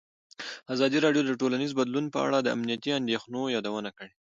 ازادي راډیو د ټولنیز بدلون په اړه د امنیتي اندېښنو یادونه کړې.